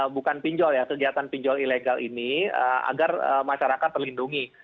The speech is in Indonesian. bukan pinjol ya kegiatan pinjol ilegal ini agar masyarakat terlindungi